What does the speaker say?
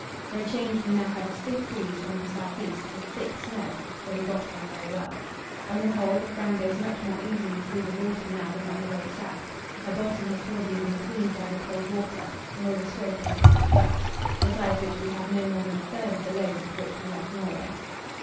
For a change we now had a stiff breeze from the south east, with thick snow, so we got on very well. On the whole, the Fram goes much more easily through the water now than on the way south. Her bottom has probably been cleaned by the cold water and all the scraping against the ice; besides which, we have no more than a third of the load with which we left Norway.